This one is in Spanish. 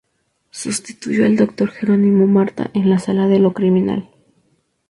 Sustituyó al doctor Gerónimo Marta en la sala de lo criminal.